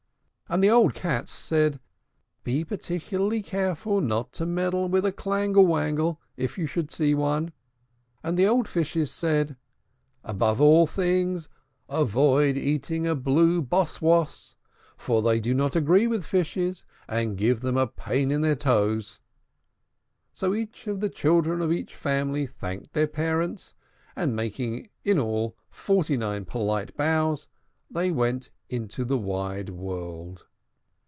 And the old Cats said, "Be particularly careful not to meddle with a clangle wangle if you should see one." And the old Fishes said, "Above all things, avoid eating a blue boss woss; for they do not agree with fishes, and give them a pain in their toes." So all the children of each family thanked their parents; and, making in all forty nine polite bows, they went into the wide world.